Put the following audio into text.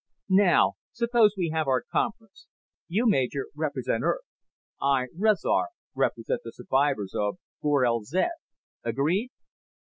Now suppose we have our conference. You, Major, represent Earth. I, Rezar, represent the survivors of Gorel zed. Agreed?"